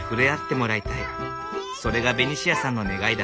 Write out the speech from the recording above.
それがベニシアさんの願いだ。